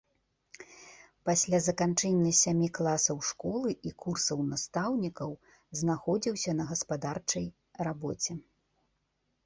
Пасля заканчэння сямі класаў школы і курсаў настаўнікаў знаходзіўся на гаспадарчай рабоце.